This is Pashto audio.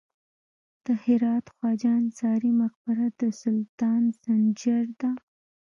د هرات خواجه انصاري مقبره د سلطان سنجر ده